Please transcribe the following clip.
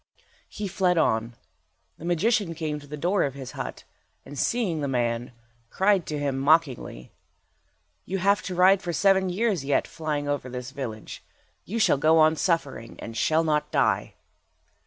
He fled on. The magician came to the door of his hut, and seeing the man, cried to him, mockingly— "You have to ride for seven years yet, flying over this village. You shall go on suffering, and shall not die."